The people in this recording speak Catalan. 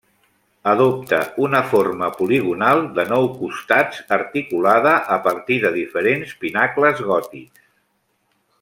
Adopta una forma poligonal de nou costats articulada a partir de diferents pinacles gòtics.